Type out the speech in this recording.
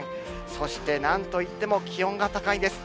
そしてなんといっても気温が高いです。